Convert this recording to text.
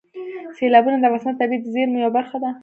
سیلابونه د افغانستان د طبیعي زیرمو یوه برخه ده.